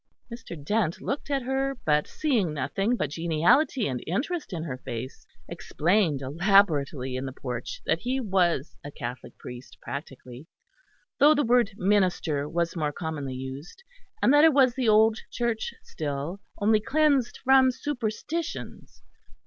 Mr. Dent looked at her, but seeing nothing but geniality and interest in her face, explained elaborately in the porch that he was a Catholic priest, practically; though the word minister was more commonly used; and that it was the old Church still, only cleansed from superstitions.